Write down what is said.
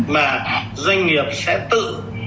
mà doanh nghiệp sẽ tự